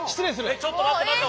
えっちょっと待って待って！